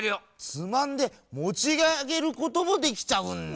つまんでもちあげることもできちゃうんだ。